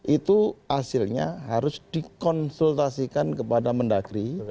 itu hasilnya harus dikonsultasikan kepada menteri dalam negeri